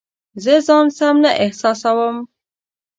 زه ځان سم نه احساسوم